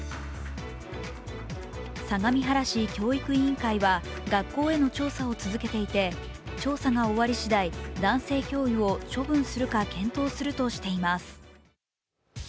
相模原市教育委員会は学校への調査を続けていて、調査が終わりしだい、男性教諭を処分するか検討しているとしています。